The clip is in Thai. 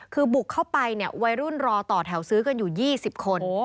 คือบุกเข้าไปเนี่ยวัยรุ่นรอต่อแถวซื้อกันอยู่๒๐คน